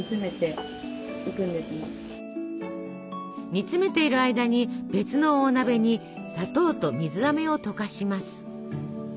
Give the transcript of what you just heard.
煮詰めている間に別の大鍋に砂糖と水あめを溶かします。